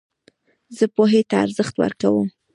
زه پوهي ته ارزښت ورکوم.